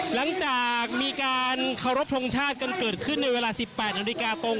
หลังจากมีการเคารพทงชาติกันเกิดขึ้นในเวลา๑๘นาฬิกาตรง